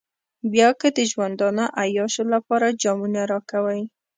بيا که د ژوندانه عياشيو لپاره جامونه راکوئ.